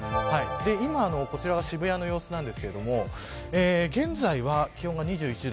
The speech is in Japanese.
今、こちらが渋谷の様子ですが現在は気温が２１度。